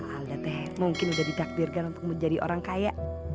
alda t mungkin udah ditakdirkan untuk menjadi orang kaya